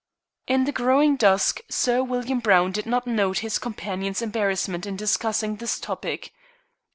In the growing dusk Sir William Browne did not note his companion's embarrassment in discussing this topic.